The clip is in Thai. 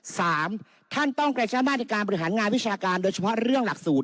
สามท่านต้องกระใช้มาตรการบริหารงานวิชาการโดยเฉพาะเรื่องหลักสูตร